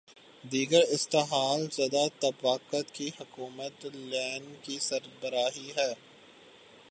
دیگر استحصال زدہ طبقات کی حکومت لینن کی سربراہی میں